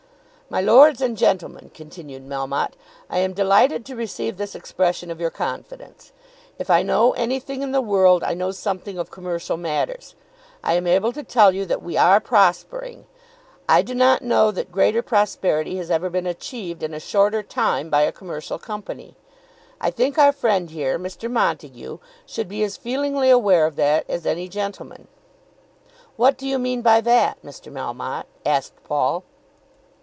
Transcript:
"My Lords and Gentlemen," continued Melmotte, "I am delighted to receive this expression of your confidence. If I know anything in the world I know something of commercial matters. I am able to tell you that we are prospering. I do not know that greater prosperity has ever been achieved in a shorter time by a commercial company. I think our friend here, Mr. Montague, should be as feelingly aware of that as any gentleman." "What do you mean by that, Mr. Melmotte?" asked Paul.